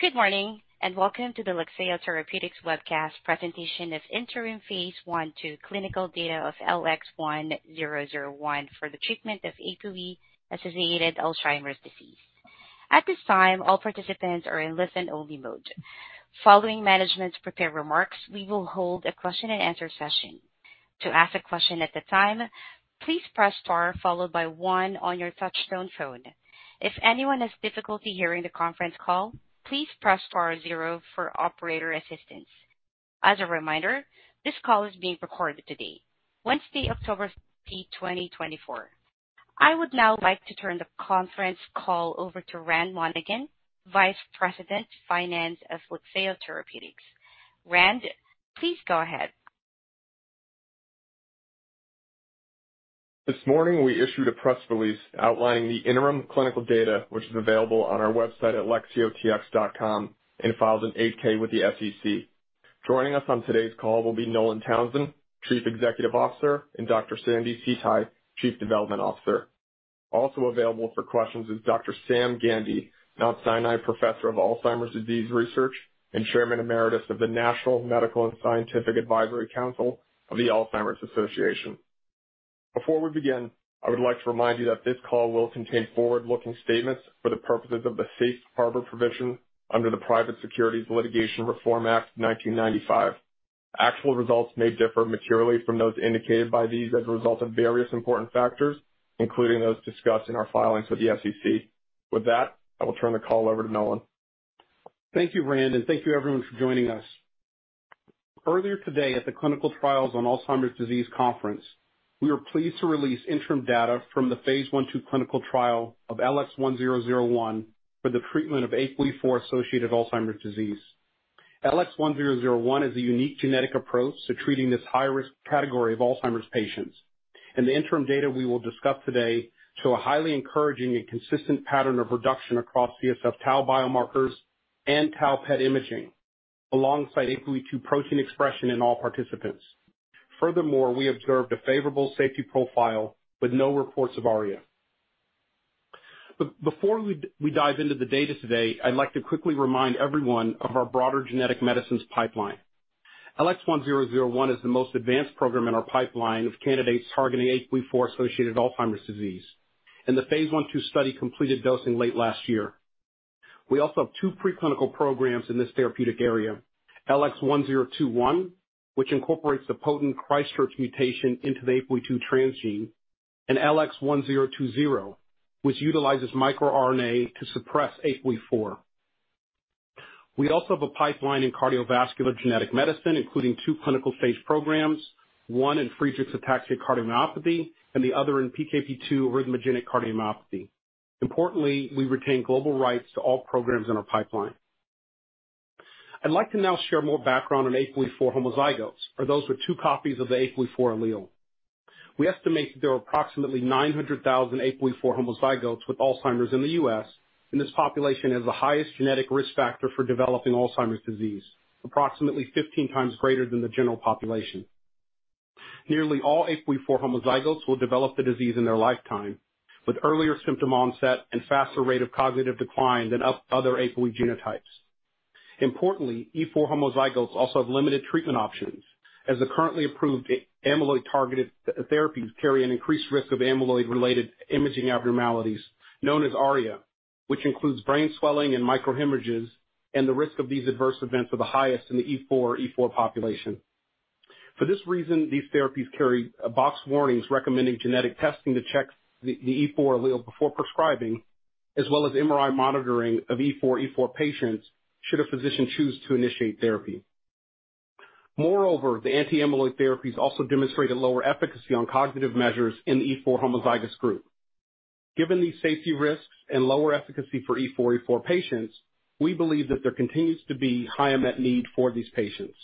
Good morning and welcome to the Lexeo Therapeutics Webcast Presentation of Interim Phase I-II Clinical Data of LX1001 for the treatment of APOE-Associated Alzheimer's Disease. At this time, all participants are in listen-only mode. Following management's prepared remarks, we will hold a question-and-answer session. To ask a question at a time, please press star followed by one on your touch-tone phone. If anyone has difficulty hearing the conference call, please press star zero for operator assistance. As a reminder, this call is being recorded today, Wednesday, October 16, 2024. I would now like to turn the conference call over to Rand Monaghan, Vice President, Finance of Lexeo Therapeutics. Rand, please go ahead. This morning, we issued a press release outlining the interim clinical data, which is available on our website at lexeotx.com and filed an 8-K with the SEC. Joining us on today's call will be Nolan Townsend, Chief Executive Officer, and Dr. Sandi See Tai, Chief Development Officer. Also available for questions is Dr. Sam Gandy, Mount Sinai Professor of Alzheimer's Disease Research and Chairman Emeritus of the National Medical and Scientific Advisory Council of the Alzheimer's Association. Before we begin, I would like to remind you that this call will contain forward-looking statements for the purposes of the Safe Harbor Provision under the Private Securities Litigation Reform Act of 1995. Actual results may differ materially from those indicated by these as a result of various important factors, including those discussed in our filings with the SEC. With that, I will turn the call over to Nolan. Thank you, Rand, and thank you, everyone, for joining us. Earlier today at the Clinical Trials on Alzheimer's Disease Conference, we were pleased to release interim data from the phase II clinical trial of LX1001 for the treatment of APOE4-associated Alzheimer's disease. LX1001 is a unique genetic approach to treating this high-risk category of Alzheimer's patients. And the interim data we will discuss today show a highly encouraging and consistent pattern of reduction across CSF tau biomarkers and tau PET imaging, alongside APOE2 protein expression in all participants. Furthermore, we observed a favorable safety profile with no reports of ARIA. Before we dive into the data today, I'd like to quickly remind everyone of our broader genetic medicines pipeline. LX1001 is the most advanced program in our pipeline of candidates targeting APOE4-associated Alzheimer's disease, and the phase II study completed dosing late last year. We also have two preclinical programs in this therapeutic area: LX1021, which incorporates the potent Christchurch mutation into the APOE2 transgene, and LX1020, which utilizes microRNA to suppress APOE4. We also have a pipeline in cardiovascular genetic medicine, including two clinical stage programs, one in Friedreich's ataxia cardiomyopathy and the other in PKP2 arrhythmogenic cardiomyopathy. Importantly, we retain global rights to all programs in our pipeline. I'd like to now share more background on APOE4 homozygotes, or those with two copies of the APOE4 allele. We estimate that there are approximately 900,000 APOE4 homozygotes with Alzheimer's in the U.S., and this population has the highest genetic risk factor for developing Alzheimer's disease, approximately 15 times greater than the general population. Nearly all APOE4 homozygotes will develop the disease in their lifetime, with earlier symptom onset and faster rate of cognitive decline than other APOE genotypes. Importantly, E4 homozygotes also have limited treatment options, as the currently approved amyloid-targeted therapies carry an increased risk of amyloid-related imaging abnormalities known as ARIA, which includes brain swelling and microhemorrhages, and the risk of these adverse events are the highest in the E4/E4 population. For this reason, these therapies carry box warnings recommending genetic testing to check the E4 allele before prescribing, as well as MRI monitoring of E4/E4 patients should a physician choose to initiate therapy. Moreover, the anti-amyloid therapies also demonstrate a lower efficacy on cognitive measures in the E4 homozygous group. Given these safety risks and lower efficacy for E4/E4 patients, we believe that there continues to be higher unmet need for these patients.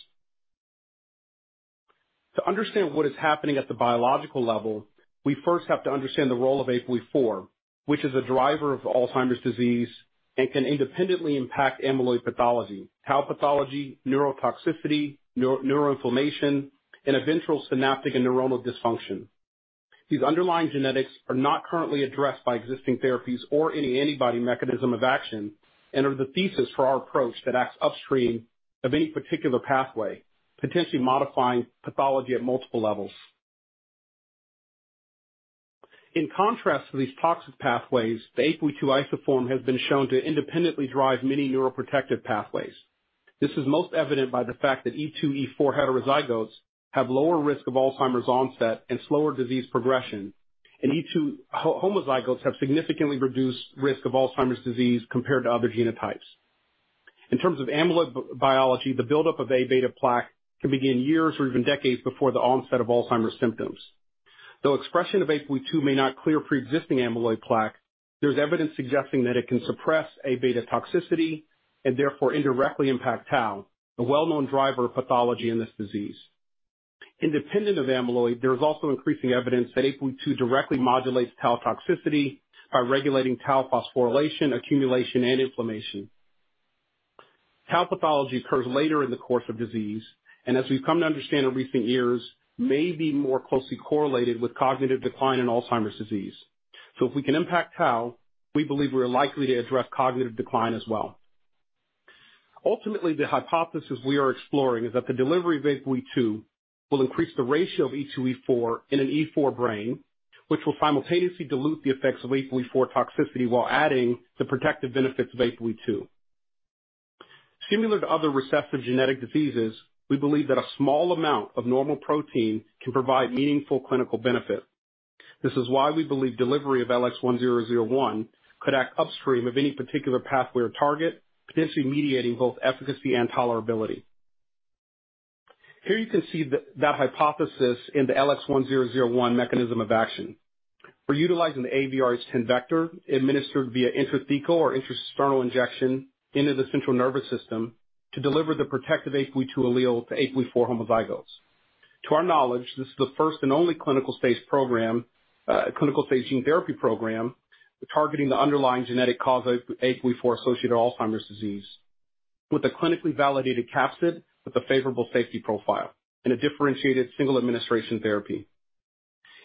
To understand what is happening at the biological level, we first have to understand the role of APOE4, which is a driver of Alzheimer's disease and can independently impact amyloid pathology, tau pathology, neurotoxicity, neuroinflammation, and eventual synaptic and neuronal dysfunction. These underlying genetics are not currently addressed by existing therapies or any antibody mechanism of action and are the thesis for our approach that acts upstream of any particular pathway, potentially modifying pathology at multiple levels. In contrast to these toxic pathways, the APOE2 isoform has been shown to independently drive many neuroprotective pathways. This is most evident by the fact that 2/4 heterozygotes have lower risk of Alzheimer's onset and slower disease progression, and 2 homozygotes have significantly reduced risk of Alzheimer's disease compared to other genotypes. In terms of amyloid biology, the buildup of A beta plaque can begin years or even decades before the onset of Alzheimer's symptoms. Though expression of APOE2 may not clear pre-existing amyloid plaque, there's evidence suggesting that it can suppress A beta toxicity and therefore indirectly impact tau, a well-known driver of pathology in this disease. Independent of amyloid, there is also increasing evidence that APOE2 directly modulates tau toxicity by regulating tau phosphorylation, accumulation, and inflammation. Tau pathology occurs later in the course of disease and, as we've come to understand in recent years, may be more closely correlated with cognitive decline in Alzheimer's disease, so if we can impact tau, we believe we are likely to address cognitive decline as well. Ultimately, the hypothesis we are exploring is that the delivery of APOE2 will increase the ratio of 2/4 in a 4 brain, which will simultaneously dilute the effects of APOE4 toxicity while adding the protective benefits of APOE2. Similar to other recessive genetic diseases, we believe that a small amount of normal protein can provide meaningful clinical benefit. This is why we believe delivery of LX1001 could act upstream of any particular pathway or target, potentially mediating both efficacy and tolerability. Here you can see that hypothesis in the LX1001 mechanism of action. We're utilizing the AAVrh10 vector administered via intrathecal or intracisternal injection into the central nervous system to deliver the protective APOE2 allele to APOE4 homozygotes. To our knowledge, this is the first and only clinical stage gene therapy program targeting the underlying genetic cause of APOE4-associated Alzheimer's disease with a clinically validated capsid with a favorable safety profile and a differentiated single administration therapy.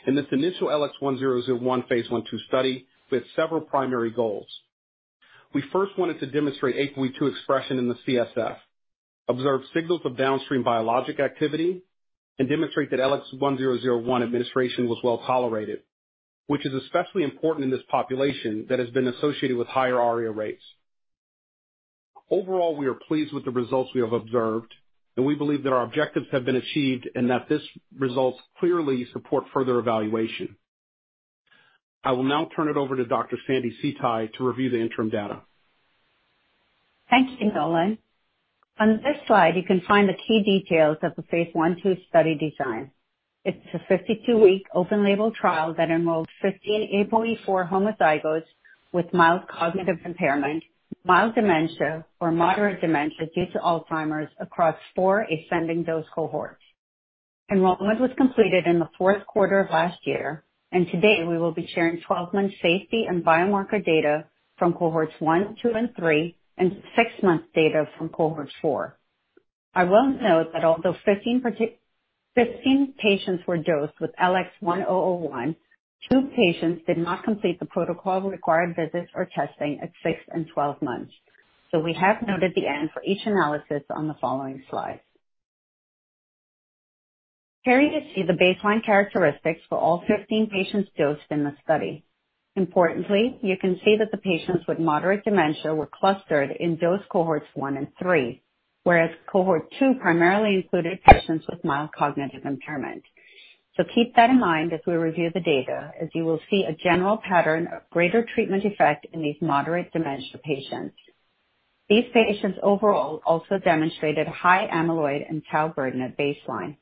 In this initial LX1001 phase II study, we had several primary goals. We first wanted to demonstrate APOE2 expression in the CSF, observe signals of downstream biologic activity, and demonstrate that LX1001 administration was well tolerated, which is especially important in this population that has been associated with higher ARIA rates. Overall, we are pleased with the results we have observed, and we believe that our objectives have been achieved and that this results clearly support further evaluation. I will now turn it over to Dr. Sandi See Tai to review the interim data. Thank you, Nolan. On this slide, you can find the key details of the phase II study design. It's a 52-week open-label trial that enrolled 15 APOE4 homozygotes with mild cognitive impairment, mild dementia, or moderate dementia due to Alzheimer's across four ascending dose cohorts. Enrollment was completed in the fourth quarter of last year, and today we will be sharing 12-month safety and biomarker data from cohorts one, two, and three, and six-month data from cohort four. I will note that although 15 patients were dosed with LX1001, two patients did not complete the protocol-required visits or testing at six and 12 months. So we have noted the n for each analysis on the following slide. Here you see the baseline characteristics for all 15 patients dosed in the study. Importantly, you can see that the patients with moderate dementia were clustered in dose cohorts one and three, whereas cohort two primarily included patients with mild cognitive impairment. So keep that in mind as we review the data, as you will see a general pattern of greater treatment effect in these moderate dementia patients. These patients overall also demonstrated high amyloid and tau burden at baseline.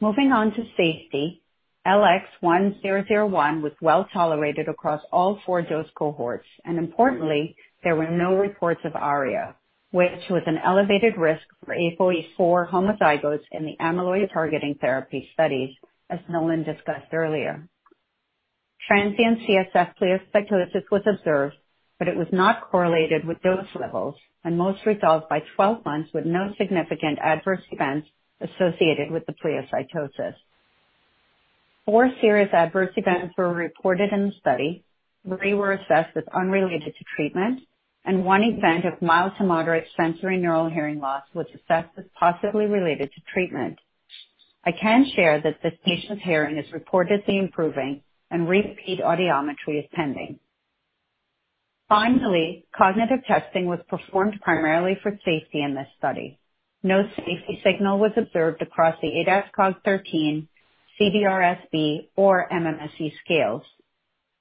Moving on to safety, LX1001 was well tolerated across all four dose cohorts, and importantly, there were no reports of ARIA, which was an elevated risk for APOE4 homozygotes in the amyloid-targeting therapy studies, as Nolan discussed earlier. Transient CSF pleocytosis was observed, but it was not correlated with dose levels and most resolved by 12 months with no significant adverse events associated with the pleocytosis. Four serious adverse events were reported in the study. Three were assessed as unrelated to treatment, and one event of mild to moderate sensorineural hearing loss was assessed as possibly related to treatment. I can share that this patient's hearing is reportedly improving, and repeat audiometry is pending. Finally, cognitive testing was performed primarily for safety in this study. No safety signal was observed across the ADAS-Cog13, CDR-SB, or MMSE scales.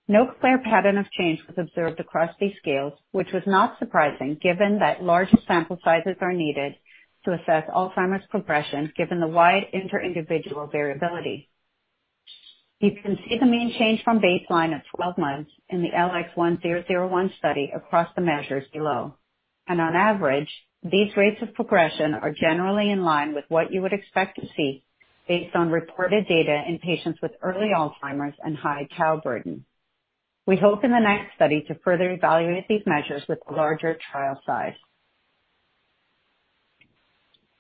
No clear pattern of change was observed across these scales, which was not surprising given that larger sample sizes are needed to assess Alzheimer's progression given the wide interindividual variability. You can see the main change from baseline at 12 months in the LX1001 study across the measures below, and on average, these rates of progression are generally in line with what you would expect to see based on reported data in patients with early Alzheimer's and high tau burden. We hope in the next study to further evaluate these measures with a larger trial size.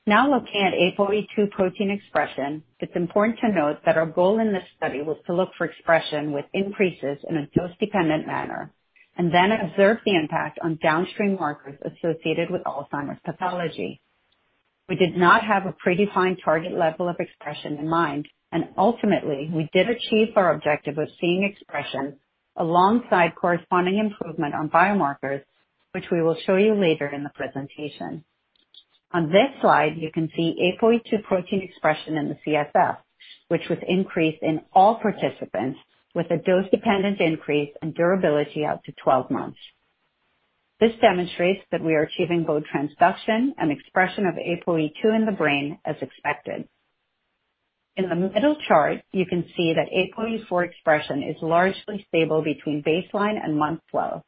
Now looking at APOE2 protein expression, it's important to note that our goal in this study was to look for expression with increases in a dose-dependent manner and then observe the impact on downstream markers associated with Alzheimer's pathology. We did not have a predefined target level of expression in mind, and ultimately, we did achieve our objective of seeing expression alongside corresponding improvement on biomarkers, which we will show you later in the presentation. On this slide, you can see APOE2 protein expression in the CSF, which was increased in all participants with a dose-dependent increase and durability out to 12 months. This demonstrates that we are achieving both transduction and expression of APOE2 in the brain as expected. In the middle chart, you can see that APOE4 expression is largely stable between baseline and month 12.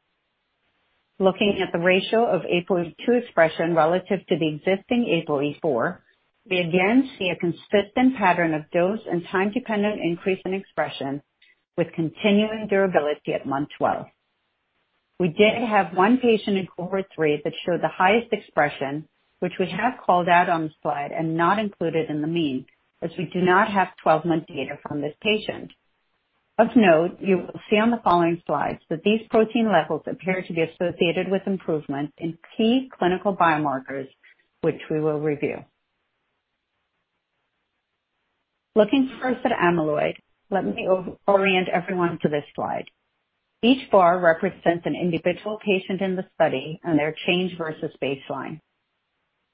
Looking at the ratio of APOE2 expression relative to the existing APOE4, we again see a consistent pattern of dose and time-dependent increase in expression with continuing durability at month 12. We did have one patient in cohort three that showed the highest expression, which we have called out on the slide and not included in the mean, as we do not have 12-month data from this patient. Of note, you will see on the following slides that these protein levels appear to be associated with improvement in key clinical biomarkers, which we will review. Looking first at amyloid, let me orient everyone to this slide. Each bar represents an individual patient in the study and their change versus baseline.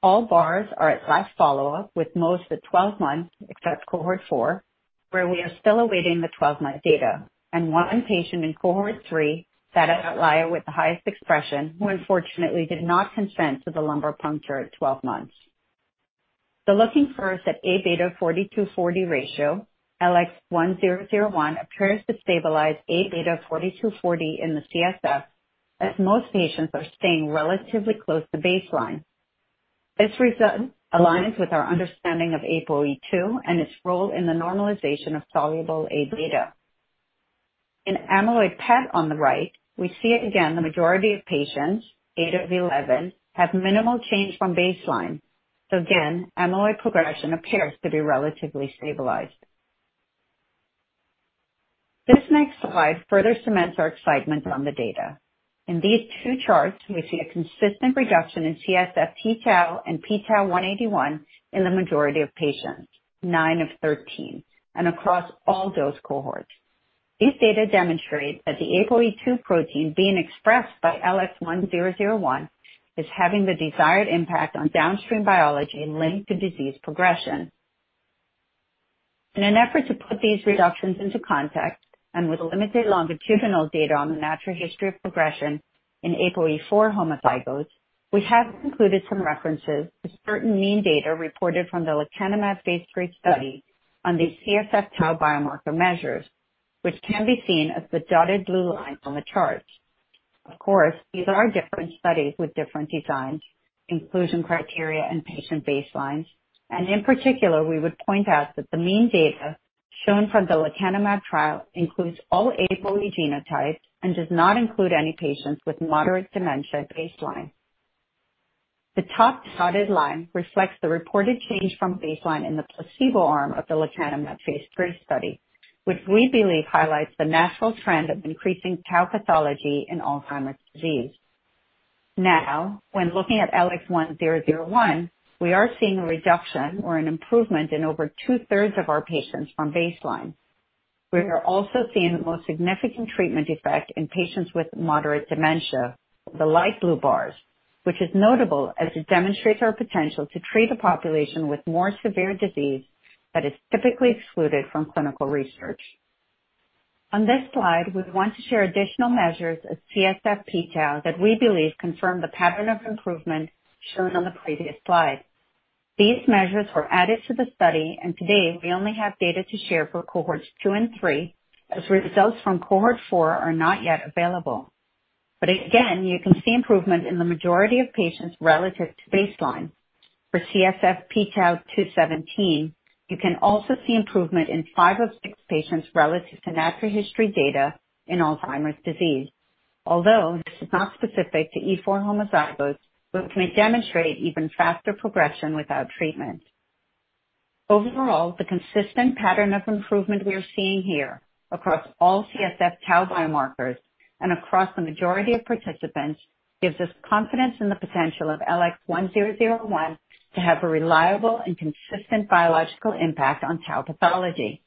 All bars are at last follow-up with most at 12 months except cohort four, where we are still awaiting the 12-month data, and one patient in cohort three sat at outlier with the highest expression who unfortunately did not consent to the lumbar puncture at 12 months. Looking first at Aβ42/40 ratio, LX1001 appears to stabilize Aβ42/40 in the CSF, as most patients are staying relatively close to baseline. This result aligns with our understanding of APOE2 and its role in the normalization of soluble Aβ. In amyloid PET on the right, we see again the majority of patients, eight of 11, have minimal change from baseline. Again, amyloid progression appears to be relatively stabilized. This next slide further cements our excitement on the data. In these two charts, we see a consistent reduction in CSF p-tau and p-tau181 in the majority of patients, nine of 13, and across all dose cohorts. These data demonstrate that the APOE2 protein being expressed by LX1001 is having the desired impact on downstream biology linked to disease progression. In an effort to put these reductions into context and with limited longitudinal data on the natural history of progression in APOE4 homozygotes, we have included some references to certain mean data reported from the Lecanemab phase 3 study on the CSF tau biomarker measures, which can be seen as the dotted blue line on the chart. Of course, these are different studies with different designs, inclusion criteria, and patient baselines. In particular, we would point out that the mean data shown from the Lecanemab trial includes all APOE genotypes and does not include any patients with moderate dementia at baseline. The top dotted line reflects the reported change from baseline in the placebo arm of the Lecanemab phase 3 study, which we believe highlights the natural trend of increasing tau pathology in Alzheimer's disease. Now, when looking at LX1001, we are seeing a reduction or an improvement in over two-thirds of our patients from baseline. We are also seeing the most significant treatment effect in patients with moderate dementia, the light blue bars, which is notable as it demonstrates our potential to treat a population with more severe disease that is typically excluded from clinical research. On this slide, we want to share additional measures of CSF p-tau that we believe confirm the pattern of improvement shown on the previous slide. These measures were added to the study, and today we only have data to share for cohorts two and three, as results from cohort four are not yet available, but again, you can see improvement in the majority of patients relative to baseline. For CSF p-tau217, you can also see improvement in five of six patients relative to natural history data in Alzheimer's disease, although this is not specific to APOE4 homozygotes, which may demonstrate even faster progression without treatment. Overall, the consistent pattern of improvement we are seeing here across all CSF tau biomarkers and across the majority of participants gives us confidence in the potential of LX1001 to have a reliable and consistent biological impact on tau pathology.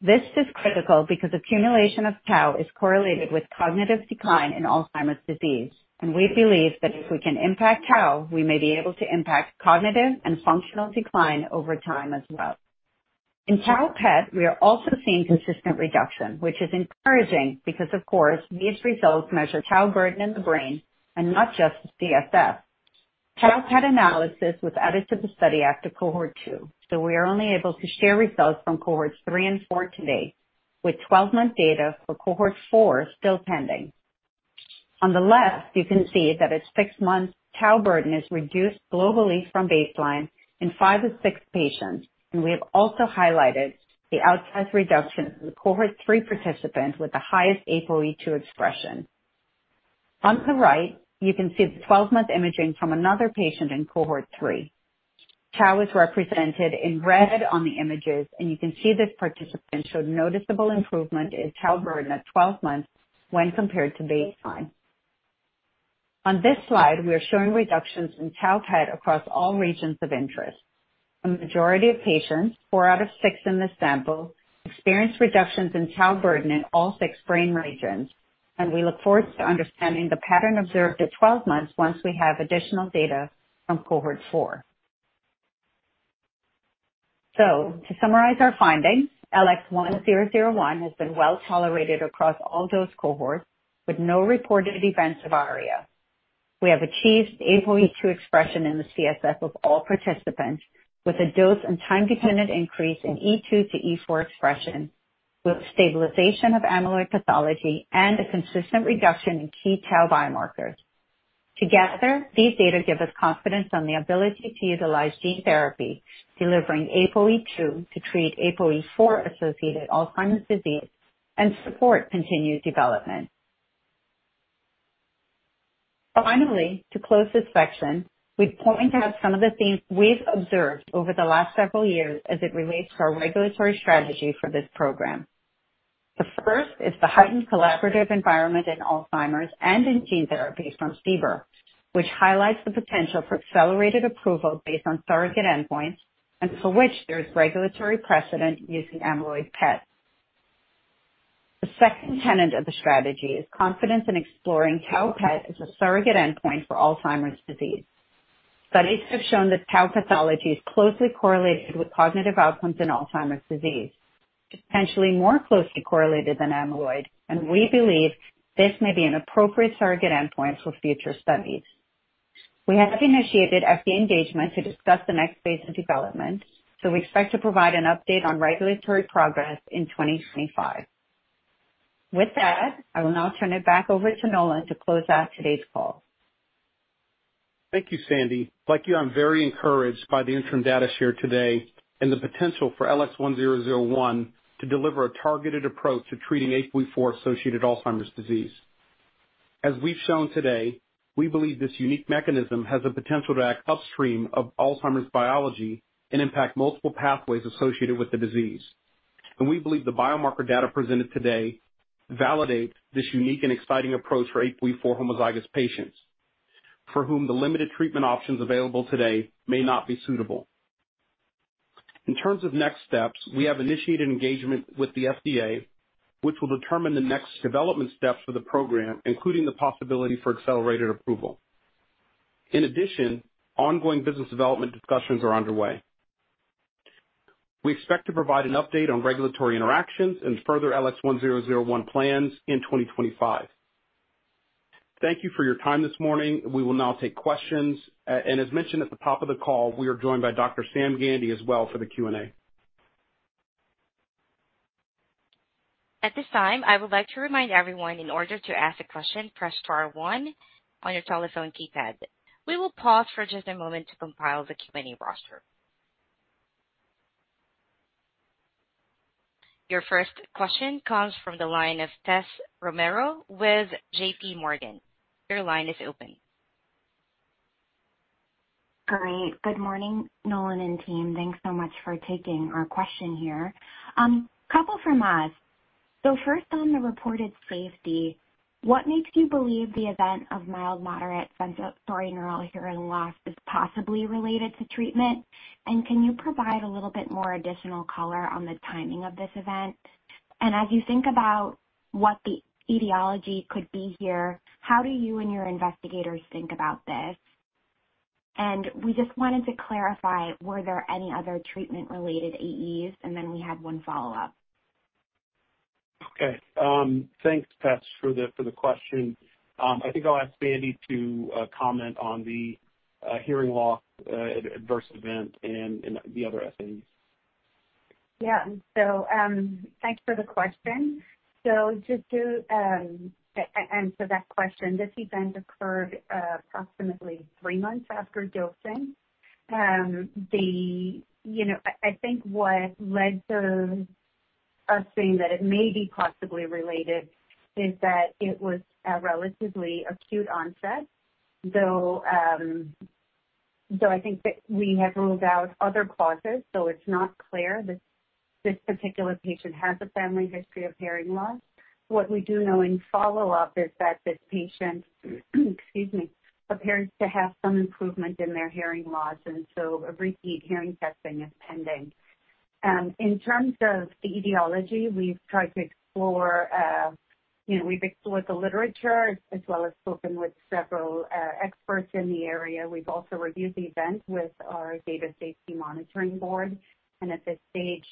This is critical because accumulation of tau is correlated with cognitive decline in Alzheimer's disease, and we believe that if we can impact tau, we may be able to impact cognitive and functional decline over time as well. In Tau PET, we are also seeing consistent reduction, which is encouraging because, of course, these results measure tau burden in the brain and not just the CSF. Tau PET analysis was added to the study after cohort two, so we are only able to share results from cohorts three and four today, with 12-month data for cohort four still pending. On the left, you can see that its six-month tau burden is reduced globally from baseline in five of six patients, and we have also highlighted the outsized reduction in the cohort three participant with the highest APOE2 expression. On the right, you can see the 12-month imaging from another patient in cohort three. tau is represented in red on the images, and you can see this participant showed noticeable improvement in tau burden at 12 months when compared to baseline. On this slide, we are showing reductions in tau PET across all regions of interest. The majority of patients, four out of six in the sample, experienced reductions in tau burden in all six brain regions, and we look forward to understanding the pattern observed at 12 months once we have additional data from cohort four. So, to summarize our findings, LX1001 has been well tolerated across all dose cohorts with no reported events of ARIA. We have achieved APOE2 expression in the CSF of all participants with a dose and time-dependent increase in 2 to 4 expression, with stabilization of amyloid pathology and a consistent reduction in key tau biomarkers. Together, these data give us confidence on the ability to utilize gene therapy, delivering APOE2 to treat APOE4 associated Alzheimer's disease and support continued development. Finally, to close this section, we point out some of the themes we've observed over the last several years as it relates to our regulatory strategy for this program. The first is the heightened collaborative environment in Alzheimer's and in gene therapy from CBER, which highlights the potential for accelerated approval based on surrogate endpoints and for which there is regulatory precedent using amyloid PET. The second tenet of the strategy is confidence in exploring tau PET as a surrogate endpoint for Alzheimer's disease. Studies have shown that tau pathology is closely correlated with cognitive outcomes in Alzheimer's disease, potentially more closely correlated than amyloid, and we believe this may be an appropriate surrogate endpoint for future studies. We have initiated FDA engagement to discuss the next phase of development, so we expect to provide an update on regulatory progress in 2025. With that, I will now turn it back over to Nolan to close out today's call. Thank you, Sandi. Like you, I'm very encouraged by the interim data shared today and the potential for LX1001 to deliver a targeted approach to treating APOE4 associated Alzheimer's disease. As we've shown today, we believe this unique mechanism has the potential to act upstream of Alzheimer's biology and impact multiple pathways associated with the disease. We believe the biomarker data presented today validates this unique and exciting approach for APOE4 homozygous patients for whom the limited treatment options available today may not be suitable. In terms of next steps, we have initiated engagement with the FDA, which will determine the next development steps for the program, including the possibility for accelerated approval. In addition, ongoing business development discussions are underway. We expect to provide an update on regulatory interactions and further LX1001 plans in 2025. Thank you for your time this morning. We will now take questions. As mentioned at the top of the call, we are joined by Dr. Sam Gandy as well for the Q&A. At this time, I would like to remind everyone, in order to ask a question, press star one on your telephone keypad. We will pause for just a moment to compile the Q&A roster. Your first question comes from the line of Tess Romero with J.P. Morgan. Your line is open. Great. Good morning, Nolan and team. Thanks so much for taking our question here. A couple from us. First, on the reported safety, what makes you believe the event of mild, moderate, sensorineural hearing loss is possibly related to treatment? And can you provide a little bit more additional color on the timing of this event? And as you think about what the etiology could be here, how do you and your investigators think about this? And we just wanted to clarify, were there any other treatment-related AEs? And then we had one follow-up. Okay. Thanks, Tess, for the question. I think I'll ask Sandi to comment on the hearing loss adverse event and the other SAEs. Yeah. So thanks for the question. So just to answer that question, this event occurred approximately three months after dosing. I think what led to us saying that it may be possibly related is that it was a relatively acute onset, though I think that we have ruled out other causes, so it's not clear this particular patient has a family history of hearing loss. What we do know in follow-up is that this patient, excuse me, appears to have some improvement in their hearing loss, and so a repeat hearing testing is pending. In terms of the etiology, we've tried to explore the literature as well as spoken with several experts in the area. We've also reviewed the event with our data safety monitoring board, and at this stage,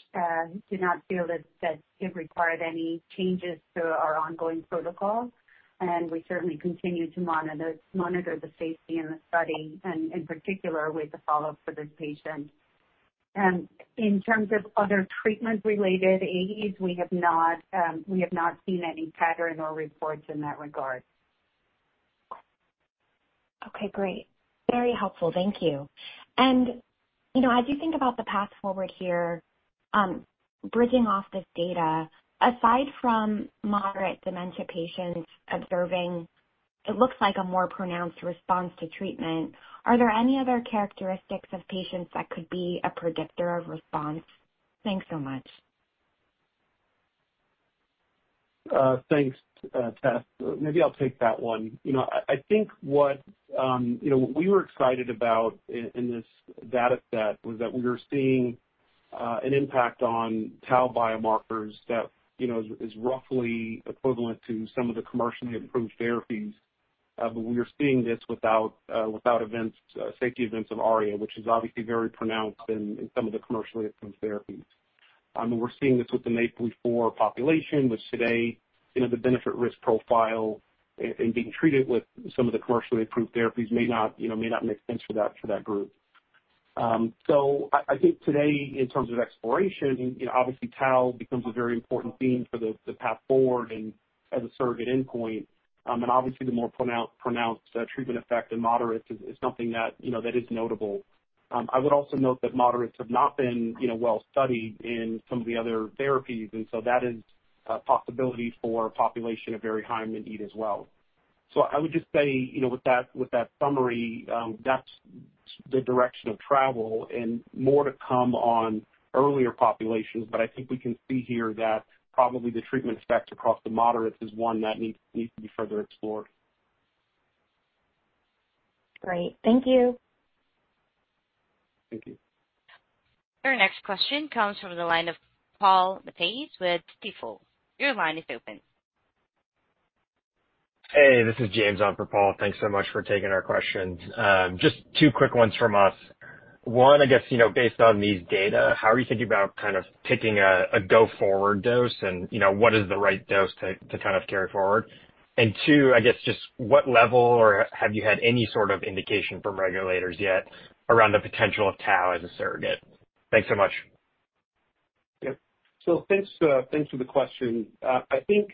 do not feel that it required any changes to our ongoing protocol. We certainly continue to monitor the safety in the study, and in particular, with the follow-up for this patient. In terms of other treatment-related AEs, we have not seen any pattern or reports in that regard. Okay. Great. Very helpful. Thank you. And as you think about the path forward here, bridging off this data, aside from moderate dementia patients observing, it looks like a more pronounced response to treatment. Are there any other characteristics of patients that could be a predictor of response? Thanks so much. Thanks, Tess. Maybe I'll take that one. I think what we were excited about in this data set was that we were seeing an impact on tau biomarkers that is roughly equivalent to some of the commercially approved therapies. But we are seeing this without safety events of ARIA, which is obviously very pronounced in some of the commercially approved therapies. We're seeing this with the APOE4 population, which today, the benefit-risk profile in being treated with some of the commercially approved therapies may not make sense for that group. So I think today, in terms of exploration, obviously, tau becomes a very important theme for the path forward and as a surrogate endpoint. And obviously, the more pronounced treatment effect in moderates is something that is notable. I would also note that moderates have not been well studied in some of the other therapies, and so that is a possibility for a population of very high immunity as well. So I would just say, with that summary, that's the direction of travel and more to come on earlier populations. But I think we can see here that probably the treatment effect across the moderates is one that needs to be further explored. Great. Thank you. Our next question comes from the line of Paul Matteis with Stifel. Your line is open. Hey, this is James on for Paul. Thanks so much for taking our questions. Just two quick ones from us. One, I guess, based on these data, how are you thinking about kind of picking a go-forward dose and what is the right dose to kind of carry forward? And two, I guess, just what level or have you had any sort of indication from regulators yet around the potential of tau as a surrogate? Thanks so much. Yep. So thanks for the question. I think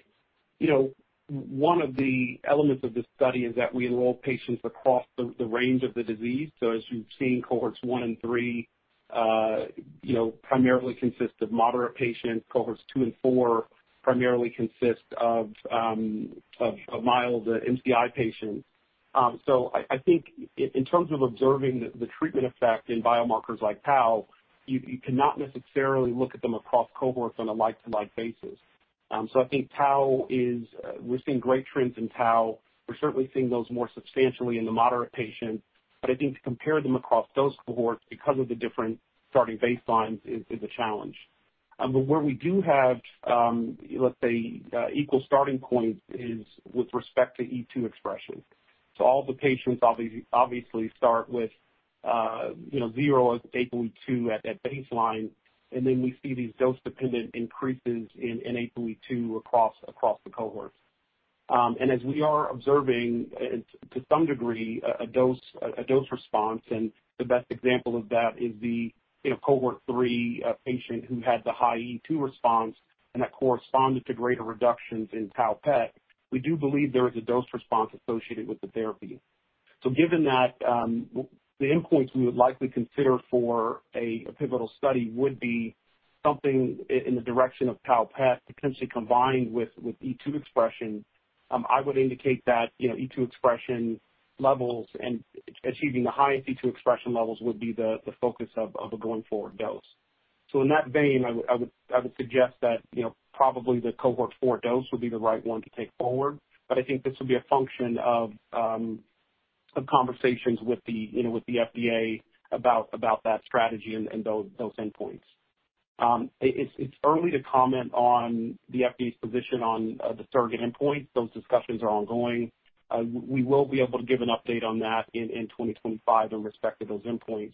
one of the elements of this study is that we enroll patients across the range of the disease. So as you've seen, cohorts one and three primarily consist of moderate patients. Cohorts two and four primarily consist of mild MCI patients. I think in terms of observing the treatment effect in biomarkers like tau, you cannot necessarily look at them across cohorts on a like-to-like basis. I think we're seeing great trends in tau. We're certainly seeing those more substantially in the moderate patients. But I think to compare them across those cohorts because of the different starting baselines is a challenge. But where we do have, let's say, equal starting points is with respect to APOE2 expression. All the patients obviously start with zero APOE2 at baseline, and then we see these dose-dependent increases in APOE2 across the cohorts. As we are observing, to some degree, a dose response, and the best example of that is the cohort three patient who had the high APOE2 response and that corresponded to greater reductions in tau PET. We do believe there is a dose response associated with the therapy. So given that, the endpoints we would likely consider for a pivotal study would be something in the direction of Tau PET potentially combined with ApoE expression. I would indicate that ApoE expression levels and achieving the highest ApoE expression levels would be the focus of a going forward dose. So in that vein, I would suggest that probably the cohort four dose would be the right one to take forward. But I think this would be a function of conversations with the FDA about that strategy and those endpoints. It's early to comment on the FDA's position on the surrogate endpoints. Those discussions are ongoing. We will be able to give an update on that in 2025 with respect to those endpoints.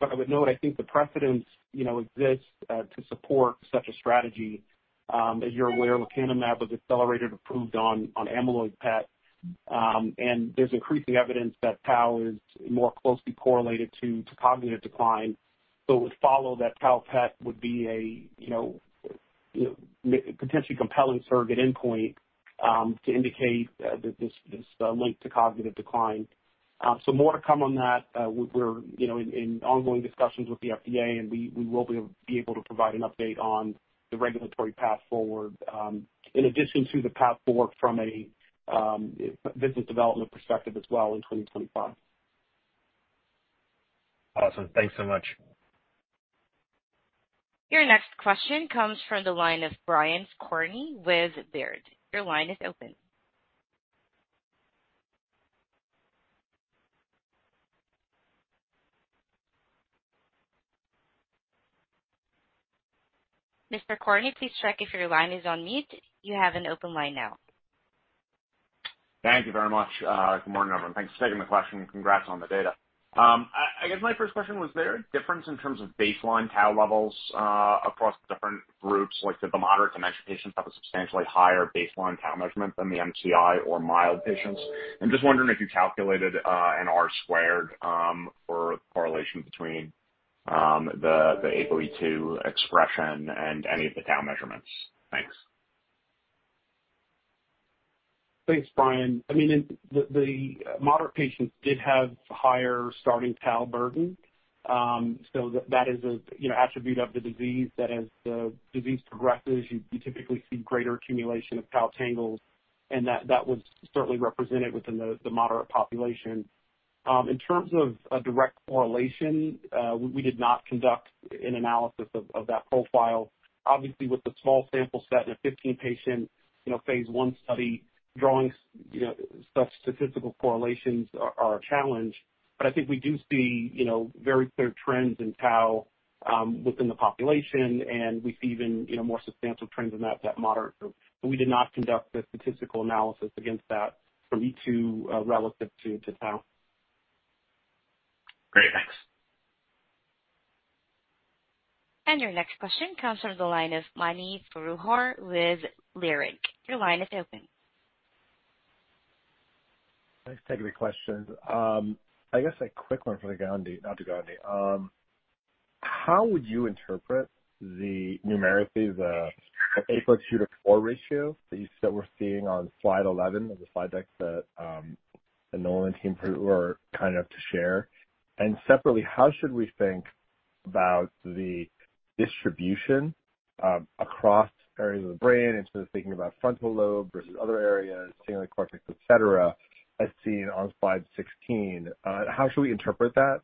But I would note, I think the precedent exists to support such a strategy. As you're aware, Lecanemab was accelerated approval on amyloid PET, and there's increasing evidence that tau is more closely correlated to cognitive decline. So it would follow that tau PET would be a potentially compelling surrogate endpoint to indicate this link to cognitive decline. So more to come on that. We're in ongoing discussions with the FDA, and we will be able to provide an update on the regulatory path forward in addition to the path forward from a business development perspective as well in 2025. Awesome. Thanks so much. Your next question comes from the line of Brian Skorney with Baird. Your line is open. Mr. Skorney, please check if your line is on mute. You have an open line now. Thank you very much. Good morning, everyone. Thanks for taking the question. Congrats on the data. I guess my first question was, is there a difference in terms of baseline tau levels across different groups? Like did the moderate dementia patients have a substantially higher baseline tau measurement than the MCI or mild patients? And just wondering if you calculated an R-squared for the correlation between the APOE2 expression and any of the tau measurements. Thanks. Thanks, Brian. I mean, the moderate patients did have higher starting tau burden. So that is an attribute of the disease that as the disease progresses, you typically see greater accumulation of tau tangles, and that would certainly represent it within the moderate population. In terms of a direct correlation, we did not conduct an analysis of that profile. Obviously, with the small sample set and a 15-patient phase 1 study, drawing such statistical correlations is a challenge. But I think we do see very clear trends in tau within the population, and we see even more substantial trends in that moderate group. But we did not conduct the statistical analysis against that from II relative to tau. Great. Thanks. And your next question comes from the line of Mani Foroohar with Leerink. Your line is open. Thanks for taking the question. I guess a quick one for the Gandy, not the. How would you interpret the numerically, the APOE2/APOE4 ratio that we're seeing on slide 11 of the slide deck that Nolan and team were kind enough to share? And separately, how should we think about the distribution across areas of the brain in terms of thinking about frontal lobe versus other areas, entorhinal cortex, etc., as seen on slide 16? How should we interpret that?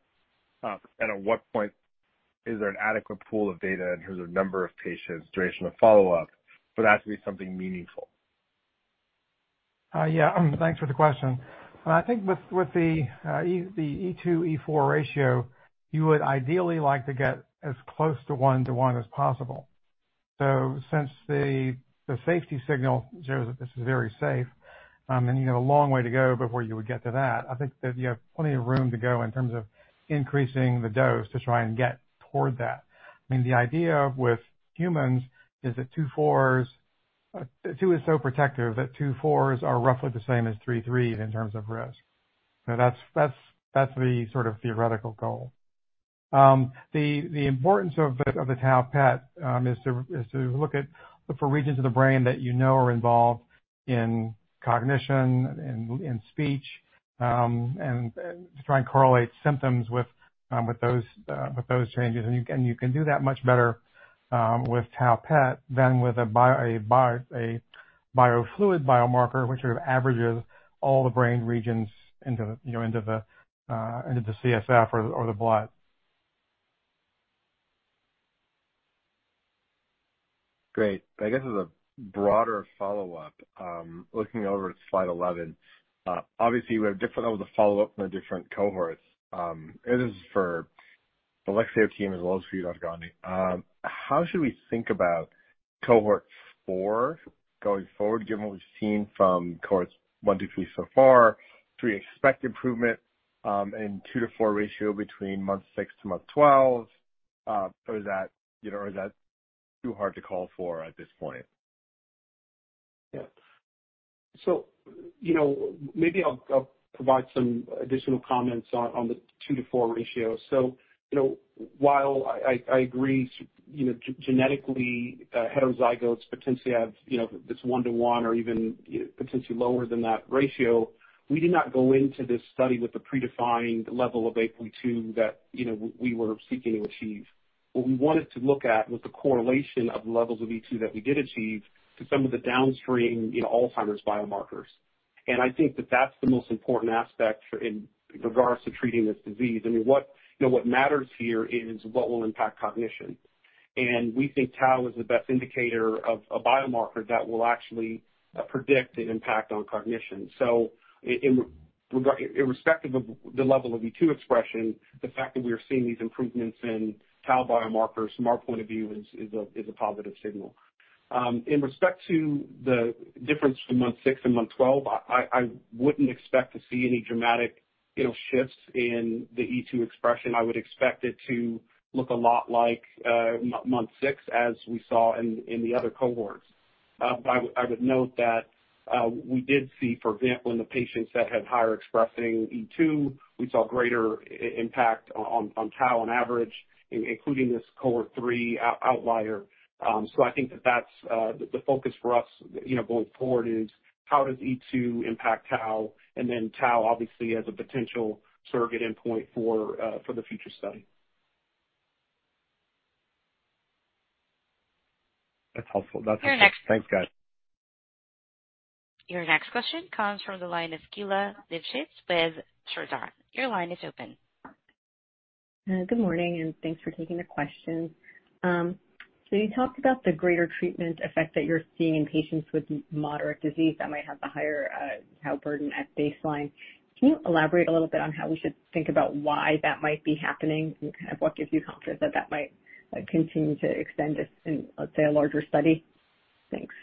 At what point is there an adequate pool of data in terms of number of patients, duration of follow-up for that to be something meaningful? Yeah. Thanks for the question. I think with the 2/4 ratio, you would ideally like to get as close to one-to-one as possible. So since the safety signal shows that this is very safe, and you have a long way to go before you would get to that, I think that you have plenty of room to go in terms of increasing the dose to try and get toward that. I mean, the idea with humans is that 2/2 is so protective that 2/2 are roughly the same as 4/4 in terms of risk. So that's the sort of theoretical goal. The importance of the Tau PET is to look at the regions of the brain that you know are involved in cognition and speech and to try and correlate symptoms with those changes, and you can do that much better with Tau PET than with a biofluid biomarker, which sort of averages all the brain regions into the CSF or the blood. Great. I guess as a broader follow-up, looking over at slide 11, obviously, we have different levels of follow-up from the different cohorts. This is for the Lexeo team as well as for you, Dr. Gandy. How should we think about cohort four going forward, given what we've seen from cohorts one, two, three so far, to expect improvement in a two-to-four ratio between month six to month twelve? Or is that too hard to call for at this point? Yeah. So, maybe I'll provide some additional comments on the two-to-four ratio. So while I agree genetically, heterozygotes potentially have this one-to-one or even potentially lower than that ratio, we did not go into this study with the predefined level of APOE2 that we were seeking to achieve. What we wanted to look at was the correlation of levels of 2 that we did achieve to some of the downstream Alzheimer's biomarkers. And I think that that's the most important aspect in regards to treating this disease. I mean, what matters here is what will impact cognition. And we think tau is the best indicator of a biomarker that will actually predict the impact on cognition. So irrespective of the level of 2 expression, the fact that we are seeing these improvements in tau biomarkers, from our point of view, is a positive signal. In respect to the difference from month six and month 12, I wouldn't expect to see any dramatic shifts in the E2 expression. I would expect it to look a lot like month six as we saw in the other cohorts. But I would note that we did see, for example, in the patients that had higher expressing E2, we saw greater impact on tau on average, including this cohort three outlier. So I think that that's the focus for us going forward is how does E2 impact tau, and then tau obviously as a potential surrogate endpoint for the future study. That's helpful. That's helpful. Your next question comes from the line of Geulah Livshits with Chardan. Your line is open. Good morning, and thanks for taking the question. You talked about the greater treatment effect that you're seeing in patients with moderate disease that might have the higher tau burden at baseline. Can you elaborate a little bit on how we should think about why that might be happening and kind of what gives you confidence that that might continue to extend in, let's say, a larger study? Thanks.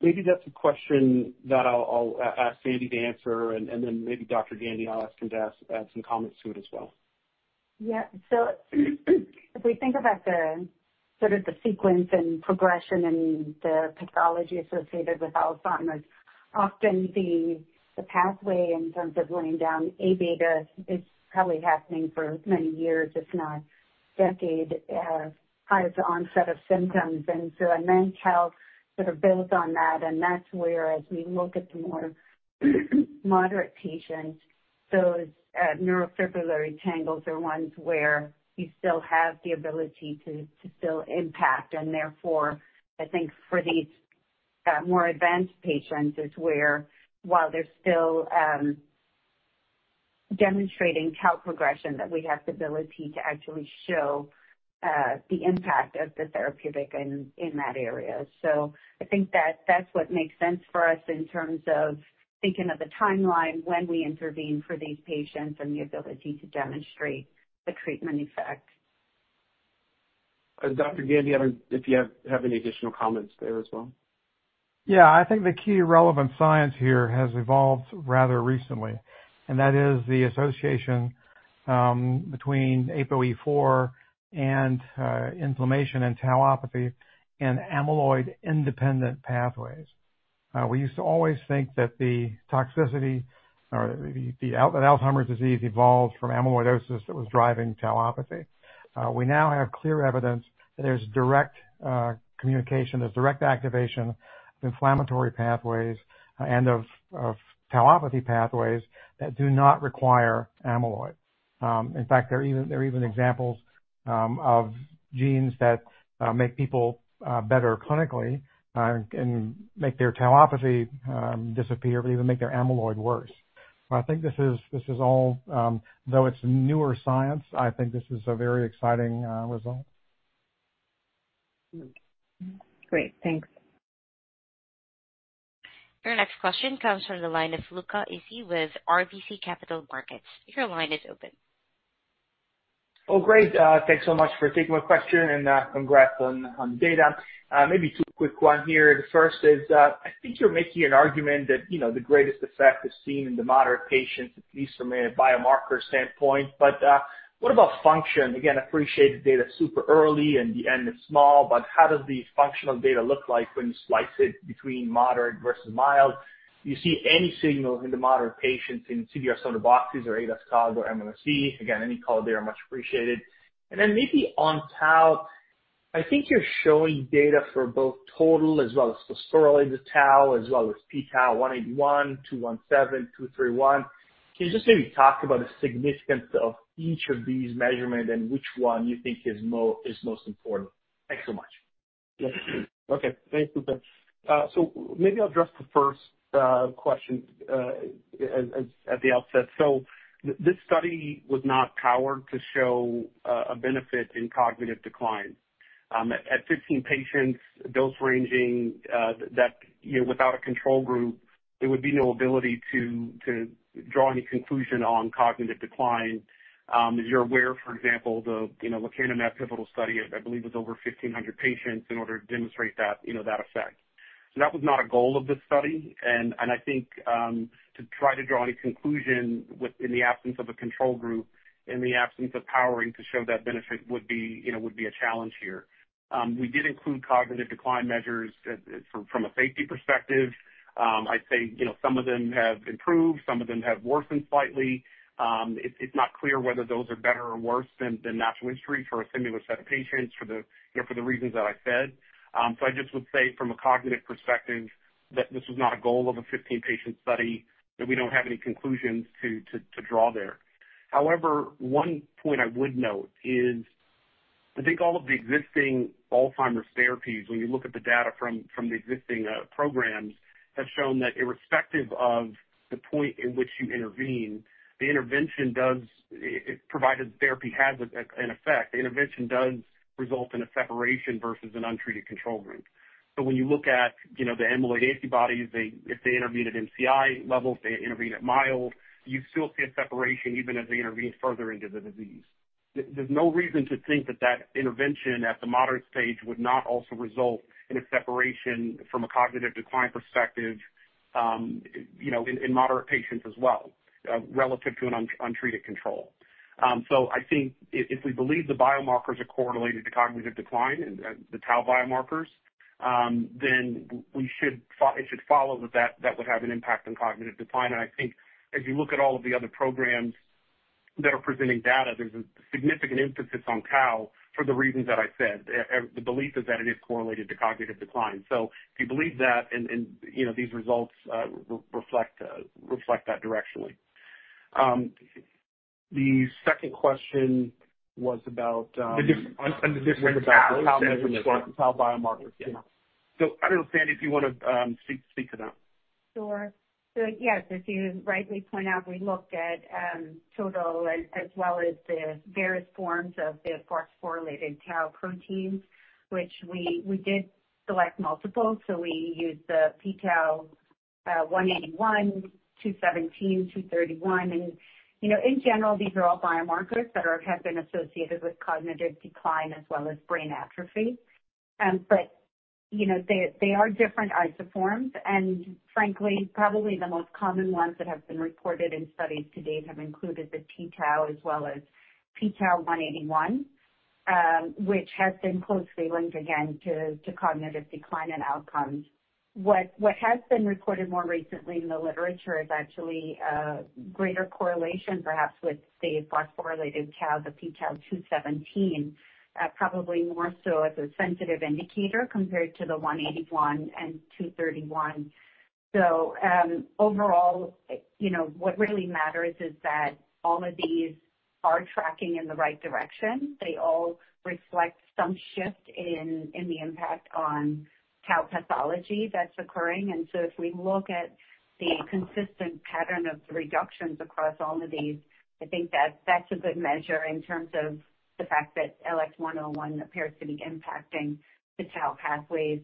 Maybe that's a question that I'll ask Sandi to answer, and then maybe Dr. Sandi, I'll ask him to add some comments to it as well. Yeah. If we think about sort of the sequence and progression and the pathology associated with Alzheimer's, often the pathway in terms of laying down A beta is probably happening for many years, if not decades, prior to onset of symptoms, and so immune health sort of builds on that And that's where, as we look at the more moderate patients, those neurofibrillary tangles are ones where you still have the ability to still impact. And therefore, I think for these more advanced patients, it's where, while they're still demonstrating tau progression, that we have the ability to actually show the impact of the therapeutic in that area. So I think that that's what makes sense for us in terms of thinking of the timeline when we intervene for these patients and the ability to demonstrate the treatment effect. And Dr. Gandy, if you have any additional comments there as well? Yeah. I think the key relevant science here has evolved rather recently, and that is the association between APOE4 and inflammation and tauopathy and amyloid-independent pathways. We used to always think that the toxicity or that Alzheimer's disease evolved from amyloidosis that was driving tauopathy. We now have clear evidence that there's direct communication, there's direct activation of inflammatory pathways and of tauopathy pathways that do not require amyloid. In fact, there are even examples of genes that make people better clinically and make their tauopathy disappear, but even make their amyloid worse. But I think this is all, though it's newer science, I think this is a very exciting result. Great. Thanks. Your next question comes from the line of Luca Issi with RBC Capital Markets. Your line is open. Oh, great. Thanks so much for taking my question and congrats on the data. Maybe two quick ones here. The first is, I think you're making an argument that the greatest effect is seen in the moderate patients, at least from a biomarker standpoint. But what about function? Again, I appreciate the data super early and the n is small, but how does the functional data look like when you slice it between moderate versus mild? Do you see any signals in the moderate patients in CDR-SB or ADAS-Cog or MMSE? Again, any color there would be much appreciated. And then maybe on tau, I think you're showing data for both total as well as phosphorylated tau as well as p-tau 181, 217, 231. Can you just maybe talk about the significance of each of these measurements and which one you think is most important? Thanks so much. Okay. Thanks, Luca. So maybe I'll address the first question at the outset. So this study was not powered to show a benefit in cognitive decline. At 15 patients, dose ranging without a control group, there would be no ability to draw any conclusion on cognitive decline. As you're aware, for example, the Lecanemab pivotal study, I believe, was over 1,500 patients in order to demonstrate that effect. So that was not a goal of the study, and I think to try to draw any conclusion in the absence of a control group, in the absence of powering to show that benefit would be a challenge here. We did include cognitive decline measures from a safety perspective. I'd say some of them have improved, some of them have worsened slightly. It's not clear whether those are better or worse than natural history for a similar set of patients for the reasons that I said, so I just would say, from a cognitive perspective, that this was not a goal of a 15-patient study, that we don't have any conclusions to draw there. However, one point I would note is I think all of the existing Alzheimer's therapies, when you look at the data from the existing programs, have shown that irrespective of the point in which you intervene, the intervention does provide a therapy has an effect. The intervention does result in a separation versus an untreated control group. So when you look at the amyloid antibodies, if they intervene at MCI levels, they intervene at mild, you still see a separation even as they intervene further into the disease. There's no reason to think that that intervention at the moderate stage would not also result in a separation from a cognitive decline perspective in moderate patients as well relative to an untreated control. So I think if we believe the biomarkers are correlated to cognitive decline and the tau biomarkers, then it should follow that that would have an impact on cognitive decline. And I think as you look at all of the other programs that are presenting data, there's a significant emphasis on tau for the reasons that I said. The belief is that it is correlated to cognitive decline. So if you believe that, and these results reflect that directionally. The second question was about the different tau biomarkers. Yeah. So I don't know, Sandi, if you want to speak to that. Sure. So yes, as you rightly point out, we looked at total tau as well as the various forms of the phosphorylated tau proteins, which we did select multiple. So we used the p-tau181, p-tau217, p-tau231. In general, these are all biomarkers that have been associated with cognitive decline as well as brain atrophy. They are different isoforms. Frankly, probably the most common ones that have been reported in studies to date have included the p-tau as well as p-tau181, which has been closely linked, again, to cognitive decline and outcomes. What has been reported more recently in the literature is actually greater correlation, perhaps with the phosphorylated tau, the p-tau217, probably more so as a sensitive indicator compared to the 181 and 231. Overall, what really matters is that all of these are tracking in the right direction. They all reflect some shift in the impact on tau pathology that's occurring. And so if we look at the consistent pattern of the reductions across all of these, I think that that's a good measure in terms of the fact that LX1001 appears to be impacting the tau pathways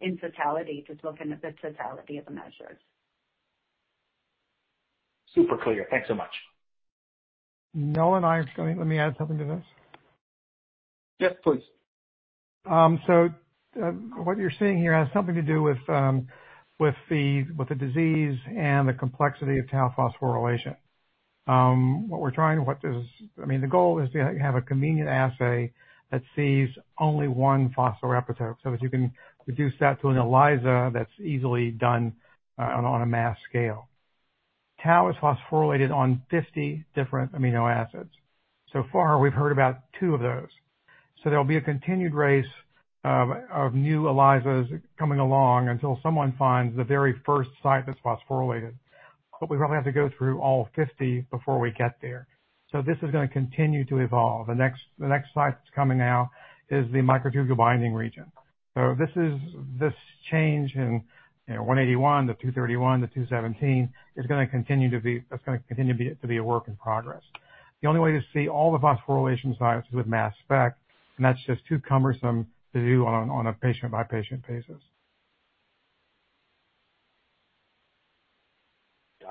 in totality just looking at the totality of the measures. Super clear. Thanks so much. Nolan and I are going to let me add something to this. Yes, please. So what you're seeing here has something to do with the disease and the complexity of tau phosphorylation. What we're trying to, I mean, the goal is to have a convenient assay that sees only one phosphoepitope. So that you can reduce that to an ELISA that's easily done on a mass scale. Tau is phosphorylated on 50 different amino acids. So far, we've heard about two of those. So there will be a continued race of new ELISAs coming along until someone finds the very first site that's phosphorylated. But we probably have to go through all 50 before we get there. So this is going to continue to evolve. The next site that's coming now is the microtubule binding region. So this change in 181 to 231 to 217 is going to continue to be - that's going to continue to be a work in progress. The only way to see all the phosphorylation sites with mass spec, and that's just too cumbersome to do on a patient-by-patient basis.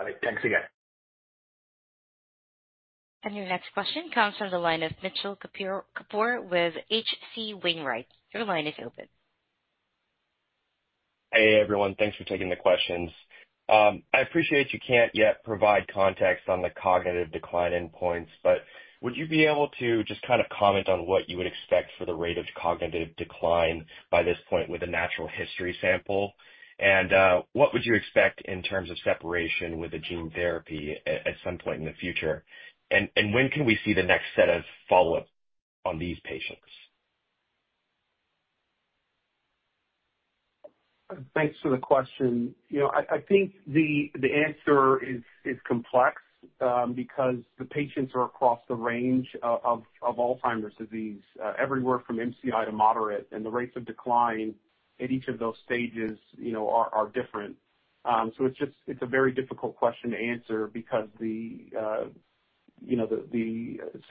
Got it. Thanks again. And your next question comes from the line of Mitchell Kapoor with H.C. Wainwright. Your line is open. Hey, everyone. Thanks for taking the questions. I appreciate that you can't yet provide context on the cognitive decline endpoints, but would you be able to just kind of comment on what you would expect for the rate of cognitive decline by this point with a natural history sample? And what would you expect in terms of separation with a gene therapy at some point in the future? And when can we see the next set of follow-up on these patients? Thanks for the question. I think the answer is complex because the patients are across the range of Alzheimer's disease, everywhere from MCI to moderate, and the rates of decline at each of those stages are different. So it's a very difficult question to answer because the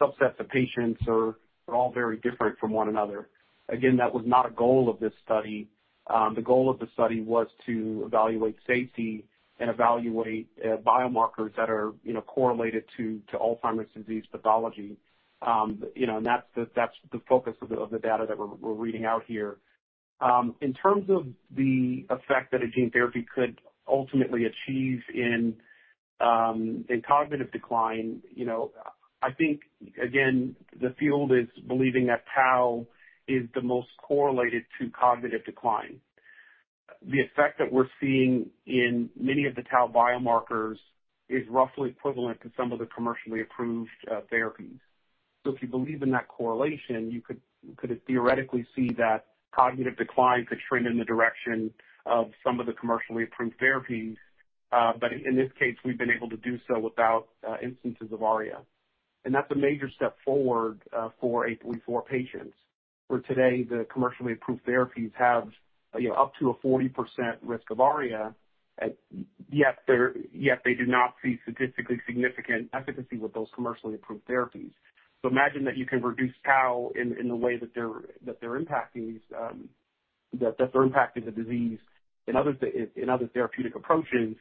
subsets of patients are all very different from one another. Again, that was not a goal of this study. The goal of the study was to evaluate safety and evaluate biomarkers that are correlated to Alzheimer's disease pathology, and that's the focus of the data that we're reading out here. In terms of the effect that a gene therapy could ultimately achieve in cognitive decline, I think, again, the field is believing that tau is the most correlated to cognitive decline. The effect that we're seeing in many of the tau biomarkers is roughly equivalent to some of the commercially approved therapies, so if you believe in that correlation, you could theoretically see that cognitive decline could trend in the direction of some of the commercially approved therapies, but in this case, we've been able to do so without instances of ARIA. And that's a major step forward for APOE4 patients, where today the commercially approved therapies have up to a 40% risk of ARIA, yet they do not see statistically significant efficacy with those commercially approved therapies. So imagine that you can reduce tau in the way that they're impacting the disease in other therapeutic approaches,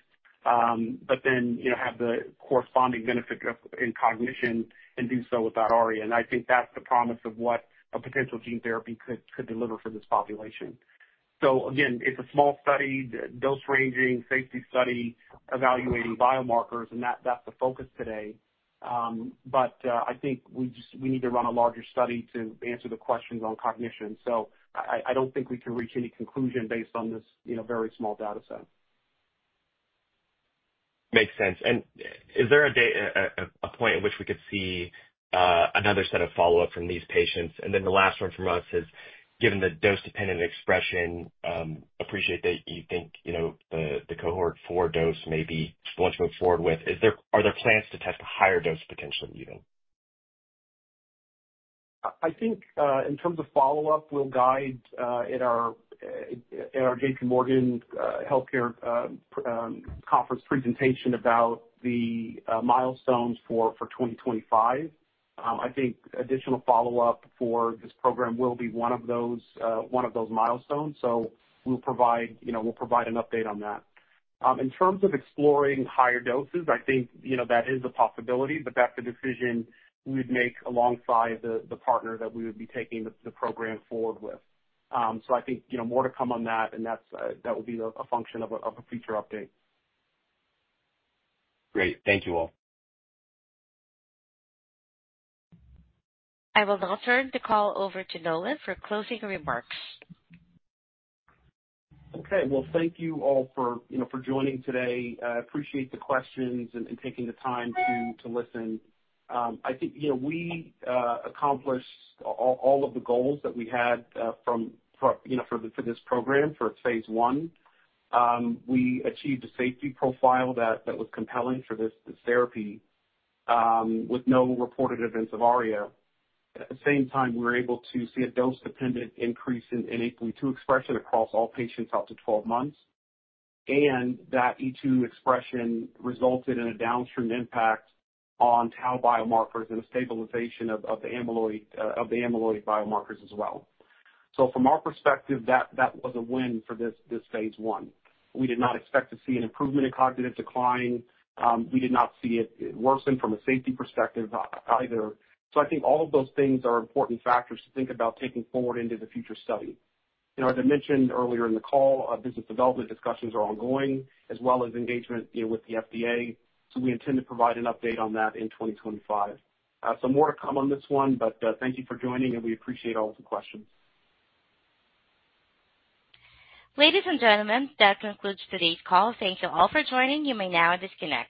but then have the corresponding benefit in cognition and do so without ARIA. And I think that's the promise of what a potential gene therapy could deliver for this population. So again, it's a small study, dose-ranging, safety study, evaluating biomarkers, and that's the focus today. But I think we need to run a larger study to answer the questions on cognition. So I don't think we can reach any conclusion based on this very small data set. Makes sense. Is there a point at which we could see another set of follow-up from these patients? And then the last one from us is, given the dose-dependent expression, appreciate that you think the cohort four dose may be wanting to move forward with. Are there plans to test a higher dose potentially even? I think in terms of follow-up, we'll guide in our J.P. Morgan Healthcare Conference presentation about the milestones for 2025. I think additional follow-up for this program will be one of those milestones. So we'll provide an update on that. In terms of exploring higher doses, I think that is a possibility, but that's a decision we'd make alongside the partner that we would be taking the program forward with. So I think more to come on that, and that will be a function of a future update. Great. Thank you all. I will now turn the call over to Nolan for closing remarks. Okay. Well, thank you all for joining today. I appreciate the questions and taking the time to listen. I think we accomplished all of the goals that we had for this program for phase one. We achieved a safety profile that was compelling for this therapy with no reported events of ARIA. At the same time, we were able to see a dose-dependent increase in APOE2 expression across all patients out to 12 months. And that E2 expression resulted in a downstream impact on tau biomarkers and a stabilization of the amyloid biomarkers as well. So from our perspective, that was a win for this phase one. We did not expect to see an improvement in cognitive decline. We did not see it worsen from a safety perspective either. So I think all of those things are important factors to think about taking forward into the future study. As I mentioned earlier in the call, business development discussions are ongoing as well as engagement with the FDA. So we intend to provide an update on that in 2025. So more to come on this one, but thank you for joining, and we appreciate all of the questions. Ladies and gentlemen, that concludes today's call. Thank you all for joining. You may now disconnect.